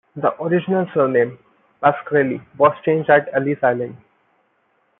The original surname, Pascrelli, was changed at Ellis Island.